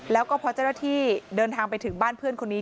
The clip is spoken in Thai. แล้วก็พอเจ้าหน้าที่เดินทางไปถึงบ้านเพื่อนคนนี้